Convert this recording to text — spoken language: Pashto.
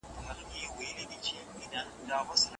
د هغو ورځو خواږه